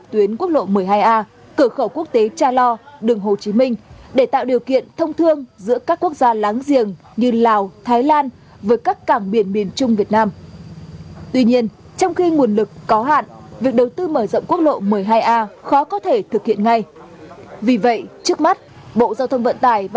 tuyến quốc lộ một mươi hai a đoạn đường từ ngã ba khe ve lên cửa khẩu quốc tế cha lo có chiều dài gần bốn mươi km